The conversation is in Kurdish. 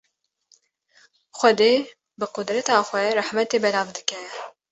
Xwedê bi qudreta xwe rahmetê belav dike.